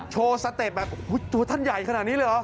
สเต็ปแบบตัวท่านใหญ่ขนาดนี้เลยเหรอ